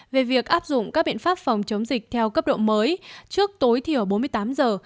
về việc áp dụng các biện pháp phòng chống dịch theo cấp độ mới trước tối thiểu bốn mươi tám giờ